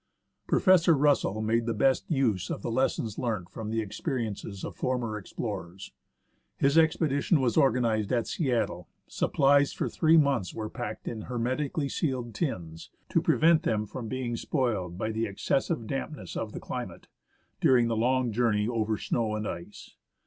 Professor Russell made the best use of the lessons learnt from the experiences of former explorers. His expedition was organized at Seattle. Supplies for three months were packed in hermetically sealed tins to prevent them from being spoiled by the excessive dampness of the climate, during the long journey over snow and ice.